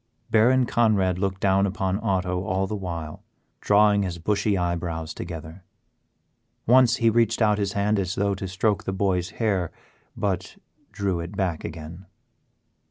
Baron Conrad looked down upon Otto all this while, drawing his bushy eyebrows together. Once he reached out his hand as though to stroke the boy's hair, but drew it back again.